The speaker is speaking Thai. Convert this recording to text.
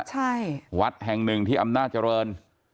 ใช่วัดแห่งหนึ่งที่อำนาจเจริญ